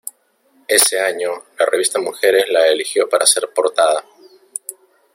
Ese año, la revista Mujeres la eligió para ser portada.